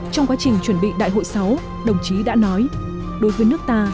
trong quá trình chuẩn bị đại hội sáu đồng chí đã nói đối với nước ta